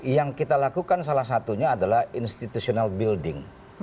yang kita lakukan salah satunya adalah institutional building